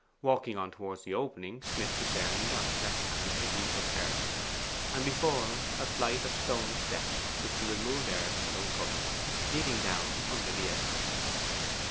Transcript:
Walking on towards the opening, Smith discerned on his left hand a heap of earth, and before him a flight of stone steps which the removed earth had uncovered, leading down under the edifice.